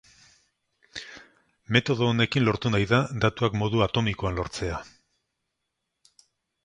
Metodo honekin lortu nahi da datuak modu atomikoan lortzea.